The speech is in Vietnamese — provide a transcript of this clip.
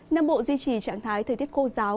nam bộ duy trì trạng thái thời tiết khô giáo